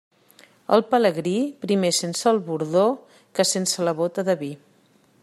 El pelegrí, primer sense el bordó que sense la bóta del vi.